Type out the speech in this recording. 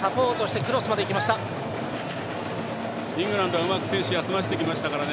イングランドはうまく選手、休ませてきましたからね